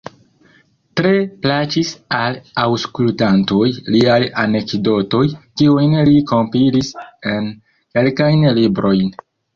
Tre plaĉis al aŭskultantoj liaj anekdotoj, kiujn li kompilis en kelkajn librojn.